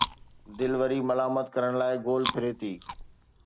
دل وري ملامت ڪرڻ لاءِ گول ڦري ٿي